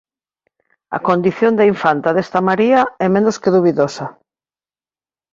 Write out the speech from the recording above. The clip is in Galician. A condición de infanta desta María é menos que dubidosa.